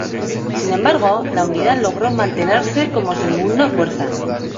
Sin embargo, la Unidad logró mantenerse como segunda fuerza.